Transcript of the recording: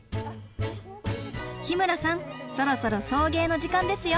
日村さんそろそろ送迎の時間ですよ！